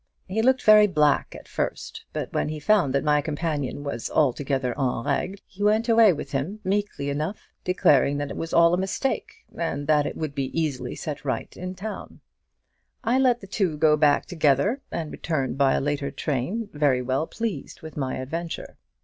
He looked very black at first; but when he found that my companion was altogether en règle, he went away with him, meekly enough, declaring that it was all a mistake, and that it would be easily set right in town. I let the two go back together, and returned by a later train, very well pleased with my adventure.